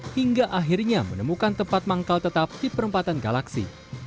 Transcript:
hingga akhirnya menemukan tempat manggal tetap di perempatan galaksi